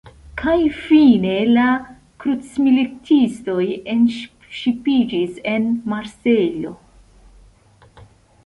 Kaj fine la “krucmilitistoj” enŝipiĝis en Marsejlo.